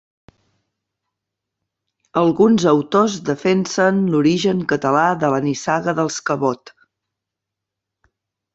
Alguns autors defensen l’origen català de la nissaga dels Cabot.